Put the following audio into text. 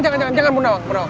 jangan jangan jangan bu nawang